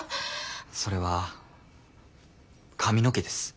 それは髪の毛です。